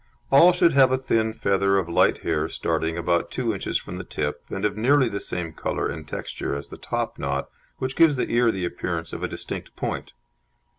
All should have a thin feather of light hair starting about two inches from the tip, and of nearly the same colour and texture as the topknot, which gives the ear the appearance of a distinct point.